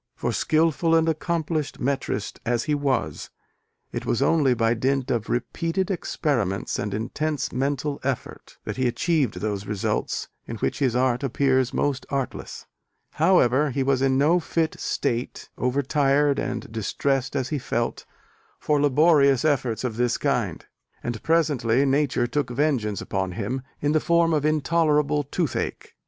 For, skilful and accomplished metrist as he was, it was only by dint of "repeated experiments and intense mental effort" that he achieved those results in which his art appears most artless. However, he was in no fit state, over tired and distressed as he felt, for laborious efforts of this kind: and presently Nature took vengeance upon him in the form of intolerable toothache.